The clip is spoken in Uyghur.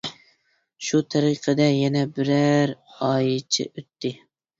شۇ تەرىقىدە يەنە بىرەر ئايچە ئۆتتى.